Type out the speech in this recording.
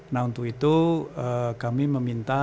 nah untuk itu kami meminta